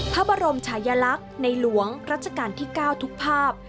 พระบรมชายลักษณ์ในหลวงรัชกาลที่๙ทุกภาพ